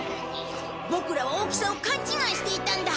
ボクらは大きさを勘違いしていたんだ。